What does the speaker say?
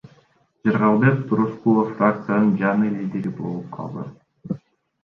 Жыргалбек Турускулов фракциянын жаңы лидери болуп калды.